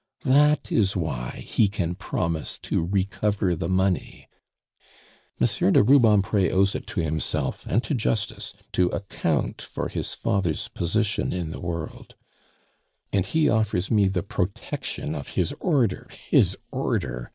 That is why he can promise to recover the money. "M. de Rubempre owes it to himself and to justice to account for his father's position in the world "And he offers me the protection of his Order His Order!